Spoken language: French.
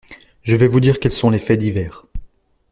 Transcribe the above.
Je vais vous dire quels sont les faits divers.